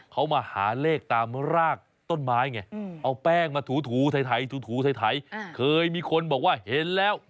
เขามาหาเลขตามรากต้นไม้ไงเอาแป้งมาถูไถถูไถเคยมีคนบอกว่าเห็นแล้ว